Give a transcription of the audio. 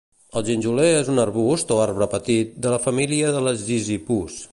El ginjoler és un arbust o arbre petit de la família de les "Ziziphus".